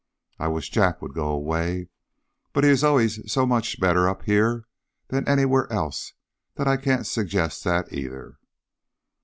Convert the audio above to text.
I wish Jack would go away, but he always is so much better up here than anywhere else that I can't suggest that, either."